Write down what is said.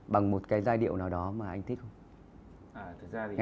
bằng một cái giai điệu nào đó mà anh thích không